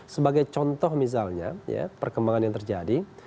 sebagai contoh misalnya ya perkembangan yang terjadi